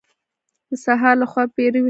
د سهار له خوا پېروی ښه خوند کوي .